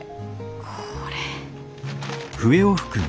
これ。